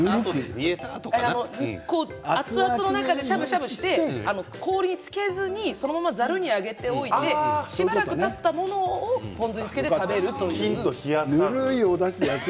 熱々の中でしゃぶしゃぶして氷につけずにそのまま、ざるに上げて置いておいて、しばらく置いたものを食べるということです。